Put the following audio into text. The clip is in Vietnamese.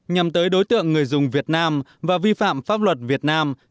nhằm tới đối tượng người dùng việt nam và vi phạm pháp luật việt nam